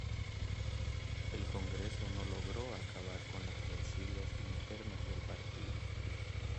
El congreso no logró acabar con las rencillas internas del partido.